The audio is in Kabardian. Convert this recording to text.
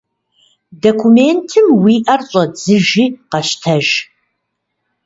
Документым уи ӏэр щӏэдзыжи къэщтэж.